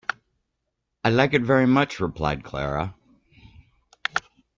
“I like it very much,” replied Clara.